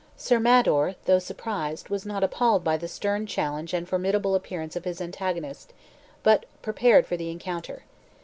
Sir Mador, though surprised, was not appalled by the stern challenge and formidable appearance of his antagonist, but prepared for the encounter.